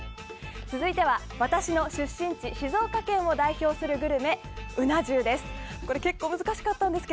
続いては、私の出身地静岡県を代表するグルメうな重です。